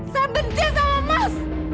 saya benci sama mas